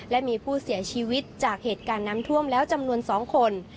และมีผู้เสียชีวิตจากเหตุการณ์น้ำท่วมแล้วจำนวน๒คน